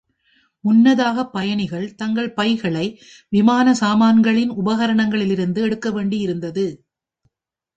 முன்னதாக பயணிகள் தங்கள் பைகளை விமான சாமான்களின் உபகரணங்களிலிருந்து எடுக்க வேண்டியிருந்தது.